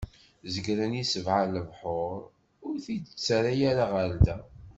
Zegren i sebɛa lebḥur, ur t-id-ttarran ɣer da.